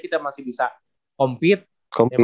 kita masih bisa compete